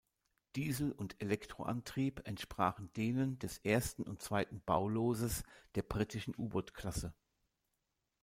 Diesel- und Elektroantrieb entsprachen denen des ersten und zweiten Bauloses der britischen U-Boot-Klasse.